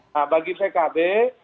nah bagi pkb